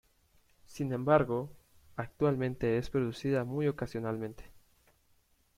Sin embargo, actualmente es producida muy ocasionalmente.